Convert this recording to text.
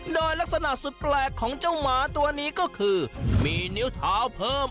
โดยลักษณะสุดแปลกของเจ้าหมาตัวนี้ก็คือมีนิ้วเท้าเพิ่ม